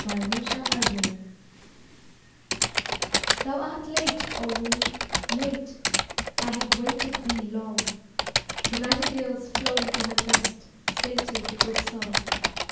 BY THE INDUS Thou art late, O Moon, Late, I have waited thee long. The nightingale's flown to her nest, Sated with song.